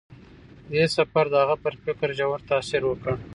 دې سفر د هغه په فکر ژور تاثیر وکړ.